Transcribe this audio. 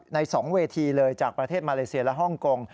ใน๒เวทีเลยจากประเทศมาเลเซียและฮ่องกง